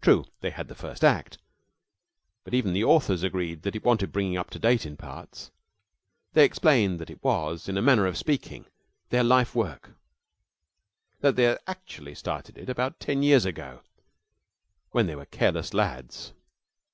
True, they had the first act, but even the authors agreed that it wanted bringing up to date in parts. They explained that it was, in a manner of speaking, their life work, that they had actually started it about ten years ago when they were careless lads.